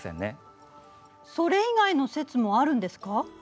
それ以外の説もあるんですか？